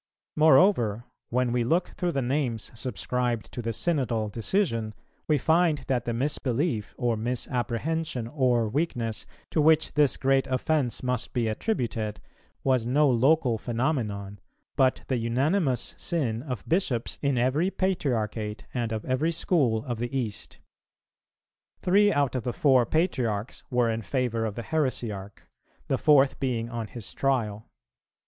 Moreover, when we look through the names subscribed to the Synodal decision, we find that the misbelief, or misapprehension, or weakness, to which this great offence must be attributed, was no local phenomenon, but the unanimous sin of Bishops in every patriarchate and of every school of the East. Three out of the four patriarchs were in favour of the heresiarch, the fourth being on his trial.